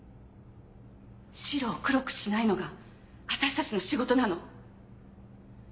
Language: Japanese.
白を黒くしないのが私たちの仕事なの。